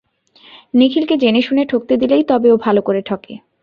নিখিলকে জেনেশুনে ঠকতে দিলেই তবে ও ভালো করে ঠকে।